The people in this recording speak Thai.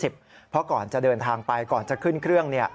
เพราะก่อนจะเดินทางไปก่อนจะขึ้นเครื่อง